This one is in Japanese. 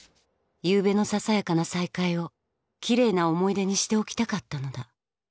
ゆうべのささやかな再会をきれいな思い出にしておきたかったのだ